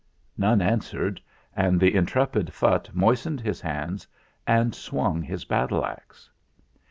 None answered, and the intrepid Phutt moistened his hands and swung his battle axe.